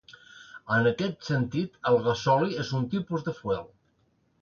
En aquest sentit, el gasoli és un tipus de fuel.